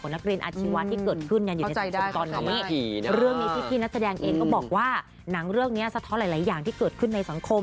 ของนักเลี้ยนอาชีวาที่เกิดขึ้น